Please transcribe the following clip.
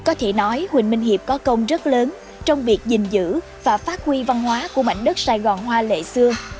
có thể nói huỳnh minh hiệp có công rất lớn trong việc gìn giữ và phát huy văn hóa của mảnh đất sài gòn hoa lệ xưa